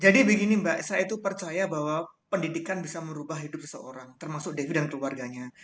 jadi begini mbak saya itu percaya bahwa pendidikan bisa merubah hidup seseorang termasuk devi dan keluarganya